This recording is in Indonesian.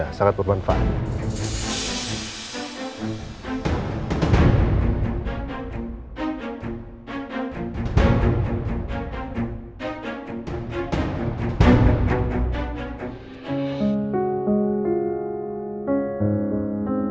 sayang seele pun sebegini